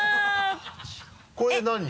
これ何人？